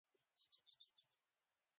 د نا انډوله تغذیې او وجود کې